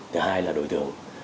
thứ hai là đối tượng